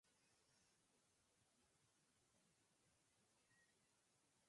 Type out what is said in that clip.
Durante su etapa profesional ha sido funcionario del Estado, periodista y escritor.